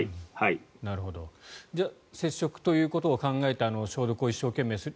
接触ということを考えて消毒を一生懸命する